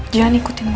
jangan ikuti gue